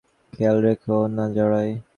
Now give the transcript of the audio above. খেয়াল রেখো, আমার নাম যেন এতে না জড়ায়।